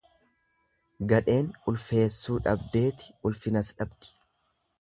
Gadheen ulfeessuu dhabdeeti ulfinas dhabdi.